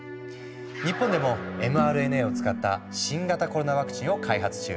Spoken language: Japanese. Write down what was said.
日本でもｍＲＮＡを使った新型コロナワクチンを開発中。